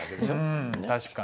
うん確かに。